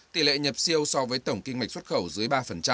tỷ lệ nhập siêu so với tổng kinh mạch xuất khẩu dưới ba